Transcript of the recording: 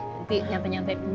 nanti nyantai nyantai dulu